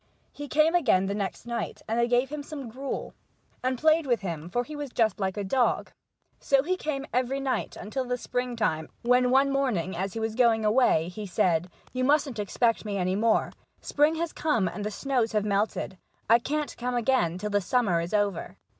He came again the next night, and they gave him some gruel, and played with him ; for he was just like a dog. So he came every night until the springtime, when,. one morning, as he was going away, he said : "You mustn't expect me any more. Spring has come, and the snows have melted. I can't come again till the summer is over."